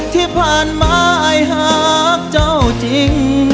ที่ผ่านมาหากเจ้าจริง